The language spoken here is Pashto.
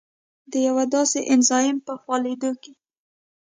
د یوه داسې انزایم په فعالېدو کې